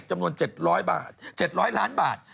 จำนวน๗๐๐ล้านบาท